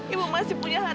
ibu masih punya hati